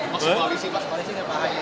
mas polisi mas polisi pak rahim